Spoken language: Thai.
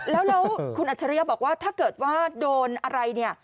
แล้วคุณอัจฉริยะบอกว่าถ้าเกิดว่าโดนอะไรเนี่ย